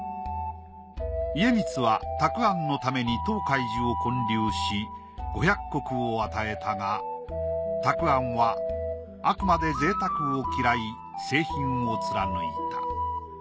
家光は沢庵のために東海寺を建立し５００石を与えたが沢庵はあくまで贅沢を嫌い清貧を貫いた。